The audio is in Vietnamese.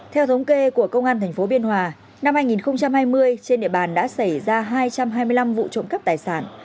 theo thống kê của công an tp biên hòa năm hai nghìn hai mươi trên địa bàn đã xảy ra hai trăm hai mươi năm vụ trộm cắp tài sản